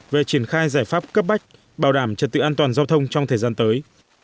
về triển khai giải pháp cấp bách bảo đảm trật tự an toàn giao thông trong thời gian tới